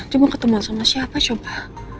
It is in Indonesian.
dia mau ketemu sama siapa coba